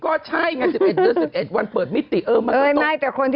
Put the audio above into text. ก็ใช่ไงสิบเอ็ดเดือนสิบเอ็ดวันเปิดมิติเออมันต้อง